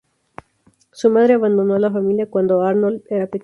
Su madre abandonó a la familia cuando Arnold era pequeño.